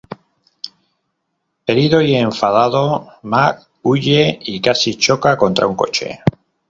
Herido y enfadado, Mac huye y casi choca contra un coche.